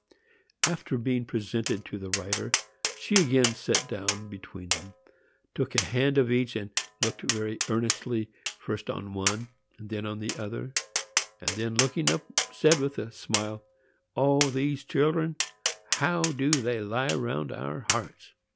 After being presented to the writer, she again sat down between them, took a hand of each, and looked very earnestly first on one and then on the other; and then, looking up, said, with a smile, "O, these children,—how they do lie round our hearts!"